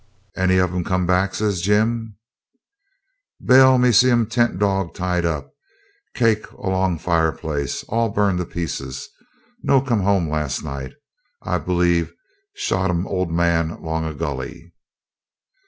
'Any of 'em come back?' says Jim. 'Bale! me see um tent dog tied up. Cake alonga fireplace, all burn to pieces. No come home last night. I b'lieve shot 'em old man longa gully.'